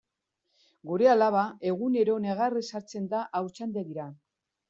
Gure alaba egunero negarrez sartzen da haurtzaindegira.